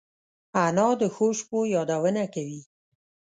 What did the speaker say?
انا د ښو شپو یادونه کوي